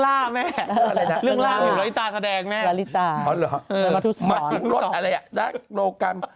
ล่าแม่เหลืออะไรนะเรื่องล่าีตาแสดงแม่อ๋อหรอเอออะไร